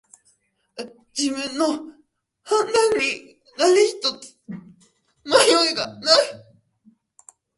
自分の判断に何ひとつ迷いがない